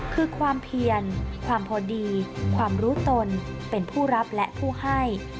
คือความเพียรความพอดีความรู้ตนเป็นผู้รับและผู้ให้